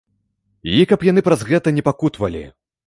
І каб яны праз гэта не пакутавалі.